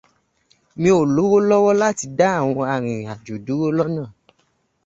Mi ò lówó lọ́wọ́ láti dá àwọn arìnrìnajò dúró lọ́nà.